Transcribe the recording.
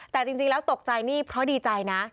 แต่จริงแล้วตกใจนี่เพราะดีใจนะ